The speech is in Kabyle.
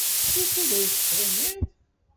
Wukud ay tettɣimiḍ?